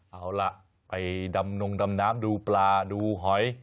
เอาล่ะไปดำนงดำน้ำดูปลาดูหอย